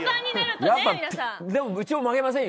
でもうちも負けませんよ